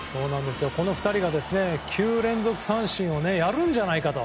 この２人が９連続三振をやるんじゃないかと。